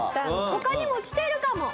「他にも来てるかも！」。